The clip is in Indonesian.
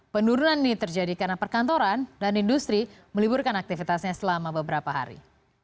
penurunan ini terjadi karena perkantoran dan industri meliburkan aktivitasnya selama beberapa hari